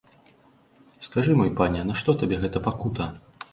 Скажы, мой пане, нашто табе гэта пакута?